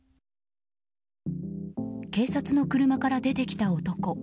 警察の車から出てきた男。